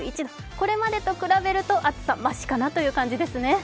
これまでと比べると、暑さ、ましかなという感じですね。